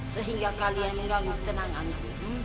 sehingga kalian mengganggu tenangannya